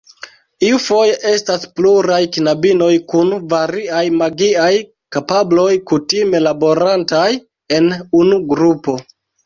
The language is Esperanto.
Iufoje estas pluraj knabinoj kun variaj magiaj kapabloj, kutime laborantaj en unu grupo.